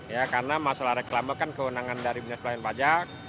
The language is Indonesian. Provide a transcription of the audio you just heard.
ya karena masalah reklama kan kewenangan dari dinas pelayanan pajak